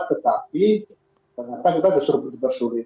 tetapi ternyata kita justru bersulit